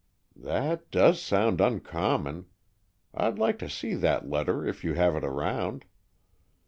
"That does sound uncommon. I'd like to see that letter, if you have it around."